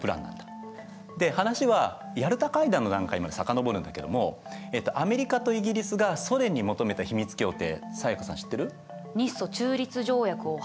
で話はヤルタ会談の段階まで遡るんだけどもアメリカとイギリスがソ連に求めた秘密協定才加さん